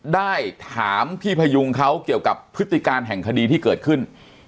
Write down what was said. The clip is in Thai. ได้ถามพี่พยุงเขาเกี่ยวกับพฤติการแห่งคดีที่เกิดขึ้น